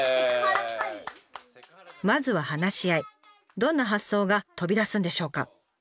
どんな発想が飛び出すんでしょうか？